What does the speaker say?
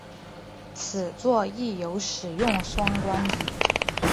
此作亦有使用双关语。